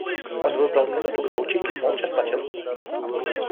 Он выбрал минуту, когда учитель молча смотрел в книгу.